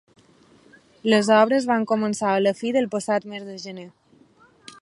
Les obres van començar a la fi del passat mes de gener.